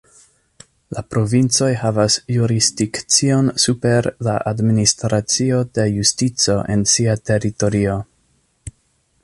La provincoj havas jurisdikcion super la Administracio de Justico en sia teritorio.